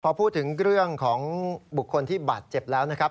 พอพูดถึงเรื่องของบุคคลที่บาดเจ็บแล้วนะครับ